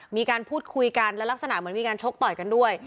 มีการพูดคุยกันและลักษณะเหมือนมีการชกต่อยกันด้วย